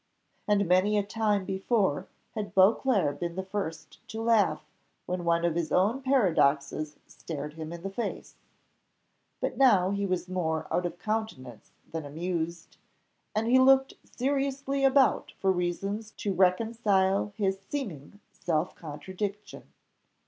And many a time before had Beauclerc been the first to laugh when one of his own paradoxes stared him in the face; but now he was more out of countenance than amused, and he looked seriously about for reasons to reconcile his seeming self contradiction.